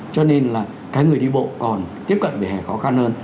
cho nên là cái người đi bộ còn tiếp cận về hè khó khăn hơn